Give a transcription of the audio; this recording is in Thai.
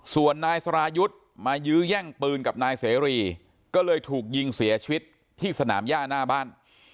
ส่วนนายสรายุทธ์มายื้อแย่งปืนกับนายเสรีก็เลยถูกยิงเสียชีวิตที่สนามย่าหน้าบ้าน